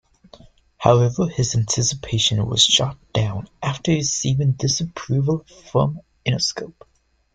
However, his anticipation was shot down after receiving disapproval from Interscope.